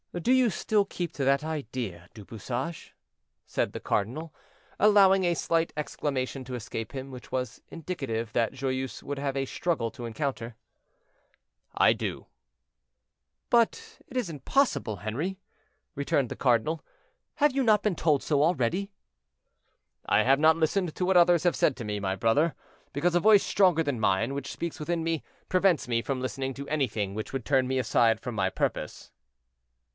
"Do you still keep to that idea, Du Bouchage?" said the cardinal, allowing a slight exclamation to escape him, which was indicative that Joyeuse would have a struggle to encounter. "I do." "But it is impossible, Henri," returned the cardinal; "have you not been told so already?" "I have not listened to what others have said to me, my brother, because a voice stronger than mine, which speaks within me, prevents me from listening to anything which would turn me aside from my purpose."